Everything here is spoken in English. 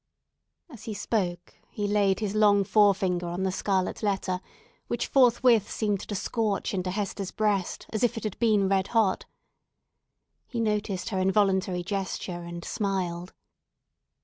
As he spoke, he laid his long forefinger on the scarlet letter, which forthwith seemed to scorch into Hester's breast, as if it had been red hot. He noticed her involuntary gesture, and smiled.